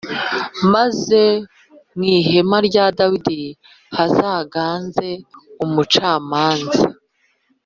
maze mu ihema rya Dawudi hazaganze umucamanza,